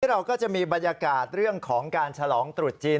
เราก็จะมีบรรยากาศเรื่องของการฉลองตรุษจีน